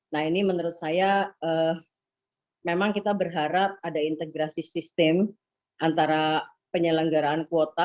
nah ini menurut saya memang kita berharap ada integrasi sistem antara penyelenggaraan kuota